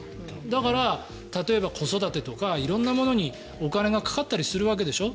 だから例えば、子育てとか色んなものにお金がかかったりするわけでしょ。